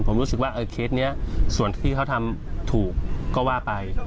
ผมรู้สึกว่าส่วนที่เขาทำถุงก็ว่าไป